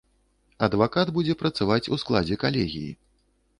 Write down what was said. Адвакат будзе працаваць у складзе калегіі.